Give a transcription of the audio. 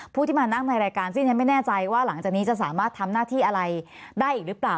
ผู้ที่มานั่งในรายการซึ่งฉันไม่แน่ใจว่าหลังจากนี้จะสามารถทำหน้าที่อะไรได้อีกหรือเปล่า